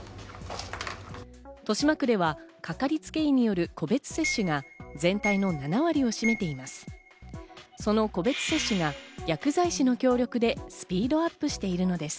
豊島区ではかかりつけ医による個別接種が全体の７割を占めています。